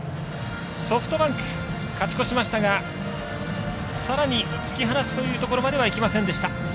ソフトバンク、勝ち越しましたがさらに突き放すというところまではいきませんでした。